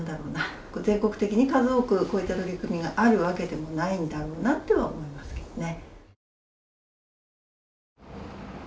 全国的に数多くこういった取り組みがあるわけでもないんだろうなとは思いますけどね。